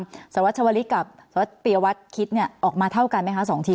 ที่ทางสวัสดิ์ชวริกับสวัสดิ์เบียวัฒน์คิดออกมาเท่ากันไหมคะ๒ที